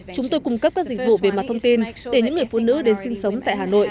chúng tôi cung cấp các dịch vụ về mặt thông tin để những người phụ nữ đến sinh sống tại hà nội